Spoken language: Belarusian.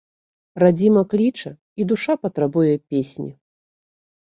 Радзіма кліча, і душа патрабуе песні.